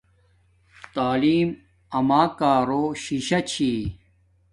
تعلیم اماکارو شی شاہ چھی